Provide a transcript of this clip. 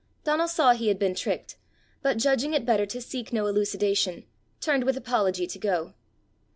Donal saw he had been tricked, but judging it better to seek no elucidation, turned with apology to go.